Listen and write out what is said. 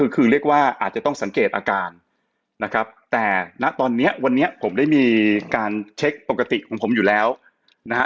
คือเรียกว่าอาจจะต้องสังเกตอาการนะครับแต่ณตอนนี้วันนี้ผมได้มีการเช็คปกติของผมอยู่แล้วนะฮะ